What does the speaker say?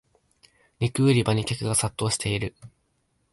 肉売り場に客が殺到してる